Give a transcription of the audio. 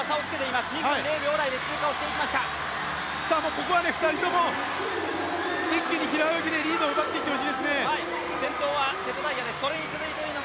ここは２人とも一気に平泳ぎでリードを奪っていってほしいですね。